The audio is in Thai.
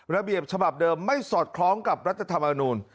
ระเบียบฉบับเดิมไม่สอดคล้องกับรัฐธรรมนูล